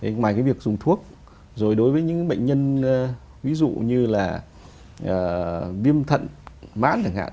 ngoài cái việc dùng thuốc rồi đối với những bệnh nhân ví dụ như là viêm thận mãn chẳng hạn